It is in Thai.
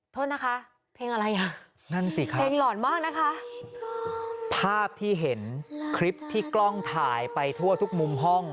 ทิลลิทิลลิปอมนกกี่ร่วงอย่างกำคืน